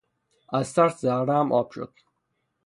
از ترس زهرهام آب شد!